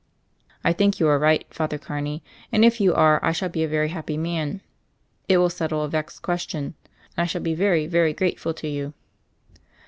"I think you are right. Father Carney, and if you are I shall be a very happy man. It will settle a vexed question. And I shall be very, very grateful to you."